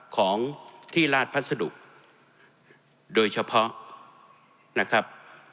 ของที่ราชพัสดุโดยเฉพาะนะครับ